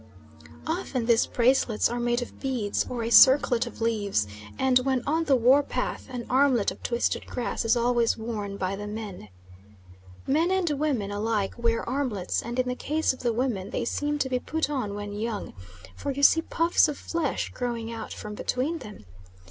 Often these bracelets are made of beads, or a circlet of leaves, and when on the war path an armlet of twisted grass is always worn by the men. Men and women alike wear armlets, and in the case of the women they seem to be put on when young, for you see puffs of flesh growing out from between them.